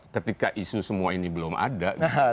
ketika isu semua ini belum ada